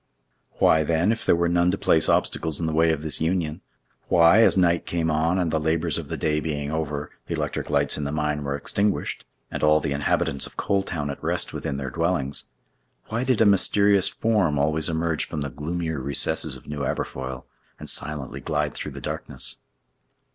Why, then, if there were none to place obstacles in the way of this union—why, as night came on, and, the labors of the day being over, the electric lights in the mine were extinguished, and all the inhabitants of Coal Town at rest within their dwellings—why did a mysterious form always emerge from the gloomier recesses of New Aberfoyle, and silently glide through the darkness?